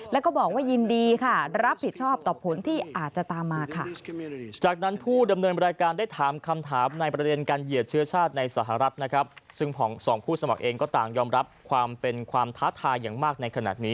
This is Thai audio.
แล้วก็บอกว่ายินดีค่ะรับผิดชอบต่อผลที่อาจจะตามมาค่ะ